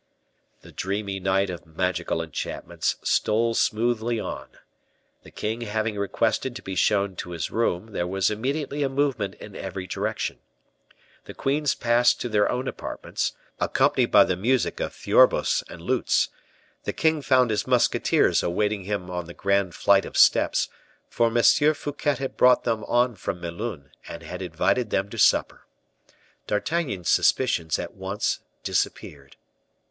The dreamy night of magical enchantments stole smoothly on. The king having requested to be shown to his room, there was immediately a movement in every direction. The queens passed to their own apartments, accompanied by them music of theorbos and lutes; the king found his musketeers awaiting him on the grand flight of steps, for M. Fouquet had brought them on from Melun and had invited them to supper. D'Artagnan's suspicions at once disappeared.